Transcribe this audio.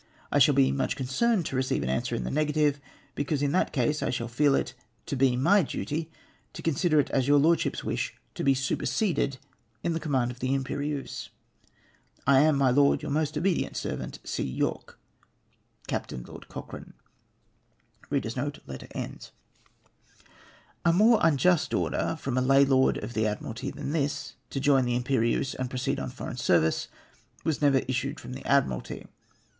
I shall be much concerned to receive an answer in the negative, because in that case I shall feel it to be my duty to consider it as your Lordship's wish to be superseded in the command of the Irnperieuse. " I am, my Lord, " Your most obedient servant, "C YOEKE. " Capt. Lord Cochrane." A more unjust order from a lay Lord of the Admi ralty than this, to join the Irnperieuse and proceed on foreign service, vv^as never issued from the Admiralty.